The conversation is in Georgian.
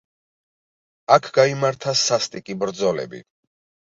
აქ გაიმართა სასტიკი ბრძოლები.